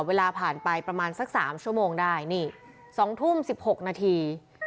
เวลาผ่านไปประมาณสัก๓ชั่วโมงได้นี่๒ทุ่ม๑๖นาที